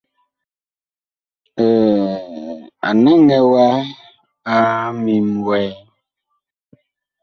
A naŋɛ wa a ŋmim wɛɛ.